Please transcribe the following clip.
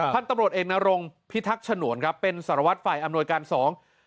พระตำรวจเอกนโรงพิทักษ์ฉนวนเป็นสารวัฒนภัยอำนวจการหสอง